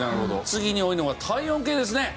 次に多いのが体温計ですね。